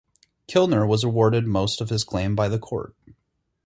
Kilner was awarded most of his claim by the Court.